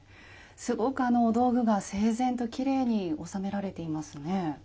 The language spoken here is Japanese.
すごく道具が整然ときれいに納められていますね。